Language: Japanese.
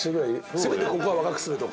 せめてここは若くするとか。